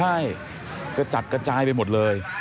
ใช่กระจัดกระจายไปหมดเลย